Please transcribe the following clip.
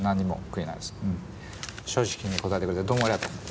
正直に答えてくれてどうもありがとう。